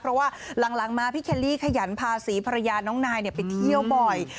เพราะว่าหลังมาพี่เคลลี่ขยันพาศรีภรรยาน้องนายไปเที่ยวบ่อย